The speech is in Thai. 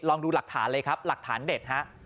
ดูหลักฐานเลยครับหลักฐานเด็ดฮะ